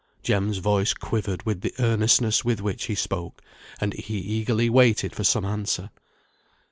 Jem's voice quivered with the earnestness with which he spoke, and he eagerly waited for some answer.